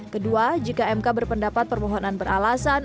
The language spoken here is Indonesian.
kedua jika mk berpendapat permohonan beralasan